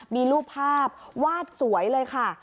มีรูปภาพวาดสวยเลยค่ะ